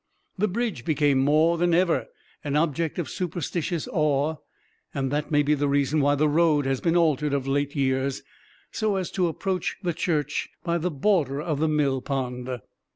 The bridge became more than ever an object of superstitious awe; and that may be the reason why the road has been altered of late years, so as to approach the church by the border of the mill pond.